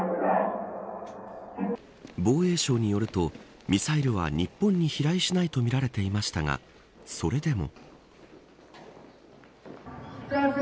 防衛省によるとミサイルは日本に飛来しないとみられていましたがそれでも。